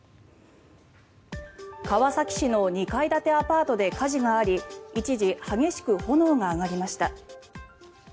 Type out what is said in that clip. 川崎市の２階建てアパートで火事があり一時、激しく炎が上がりました。